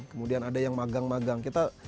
kemudian ada yang magang magang